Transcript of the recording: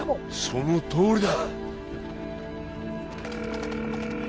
そのとおりだ